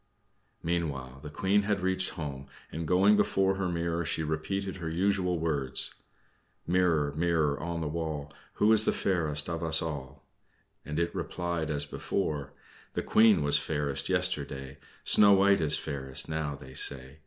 Meanwhile, the Queen had reached home, and, going before her mirror, she repeated her usual words: "Mirror, mirror on the wall, Who is the fairest of us all?" and it replied as before: "The Queen was fairest yesterday; Snow White is fairest now, they say.